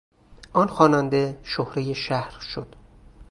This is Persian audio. آن خواننده شهرهی شهر شد.